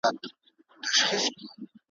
ټولنې د اولسونو